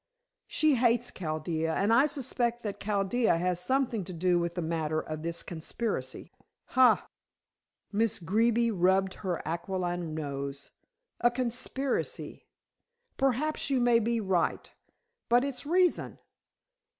"She hates Chaldea, and I suspect that Chaldea has something to do with the matter of this conspiracy." "Ha!" Miss Greeby rubbed her aquiline nose. "A conspiracy. Perhaps you may be right. But its reason?"